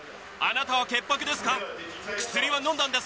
あなたは潔白ですか。